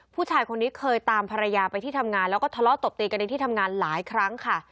ผู้ชายคนนี้เคยตามภรรยาไปที่ทำงานแล้วก็ทะเลาะตบตีกันในที่ทำงานหลายครั้งค่ะ